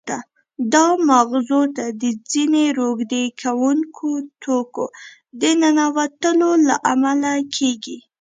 دا مغزو ته د ځینې روږدې کوونکو توکو د ننوتلو له امله کېږي.